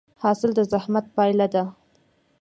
حاصل د زحمت پایله ده؟